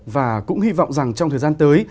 và cũng hy vọng rằng trong thời gian tới